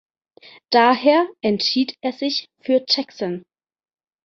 Daher entschied er sich für Jackson.